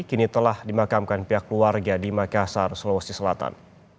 kini telah dimakamkan pihak keluarga di makassar sulawesi selatan